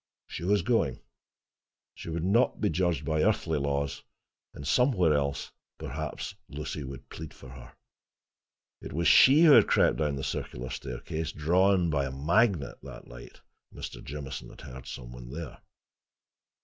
She was going; she would not be judged by earthly laws; and somewhere else perhaps Lucy would plead for her. It was she who had crept down the circular staircase, drawn by a magnet, that night Mr. Jamieson had heard some one there.